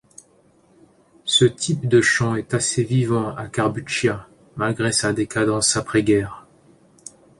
Ce type de chant est assez vivant à Carbuccia, malgré sa décadence après-guerre.